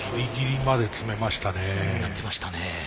やってましたね。